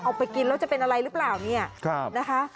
เอาไปกินแล้วจะเป็นอะไรหรือเปล่าเนี่ยนะคะ